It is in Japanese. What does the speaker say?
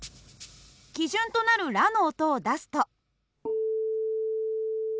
基準となるラの音を出すと。